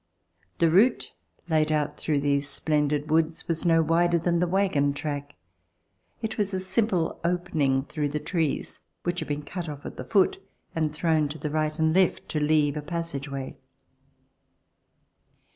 The route laid out through these splendid woods was no wider than the wagon track. C 190] ARRIVAL IN AMERICA It was a simple opening through the trees which had been cut off at the foot and thrown to the right and left to leave a free passageway.